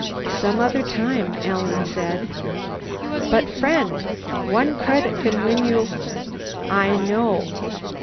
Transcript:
"Some other time," Alan said. "But, friend one credit can win you " "I know."